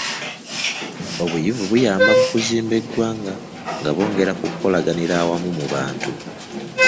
Obuyivu buyamba mu kuzimba eggwanga nga bwongera ku kukolaganira awamu mu bantu.